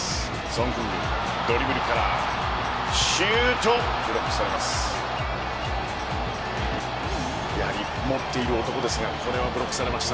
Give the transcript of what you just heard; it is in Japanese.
ソン・フンミンドリブルからシュート、ブロックされます。